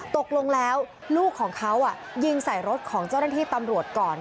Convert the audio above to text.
ตกลงแล้วลูกของเขายิงใส่รถของเจ้าหน้าที่ตำรวจก่อน